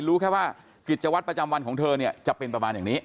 รู้แค่ว่ากิจวัตรประจำวันของเธอเนี่ยจะเป็นประมาณอย่างนี้